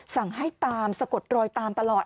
สั่งให้ตามสะกดรอยตามตลอด